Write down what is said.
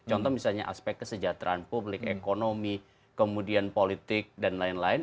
contoh misalnya aspek kesejahteraan publik ekonomi kemudian politik dan lain lain